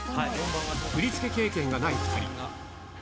振り付け経験がない２人。